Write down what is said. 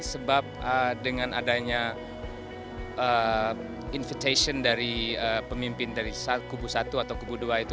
sebab dengan adanya invitation dari pemimpin dari kubu satu atau kubu dua itu